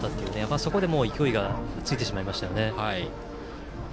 そこでもう勢いがついてしまいましたよね。